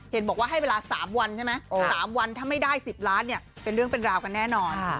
เห็นบอกว่าให้เวลา๓วันใช่ไหม๓วันถ้าไม่ได้๑๐ล้านเนี่ยเป็นเรื่องเป็นราวกันแน่นอน